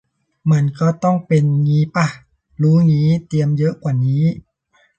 มันก็ต้องเป็นงี้ป่ะ รู้งี้เตรียมเยอะกว่านี้